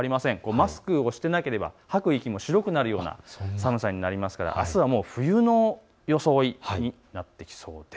マスクをしていなければ吐く息も白くなるような寒さになりますからあすは冬の装いになってきそうです。